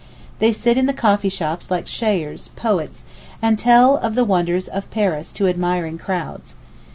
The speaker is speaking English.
They sit in the coffee shops like shaers (poets), and tell of the wonders of Paris to admiring crowds.